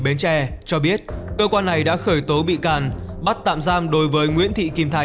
bến tre cho biết cơ quan này đã khởi tố bị can bắt tạm giam đối với nguyễn trương đoàn